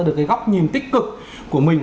được cái góc nhìn tích cực của mình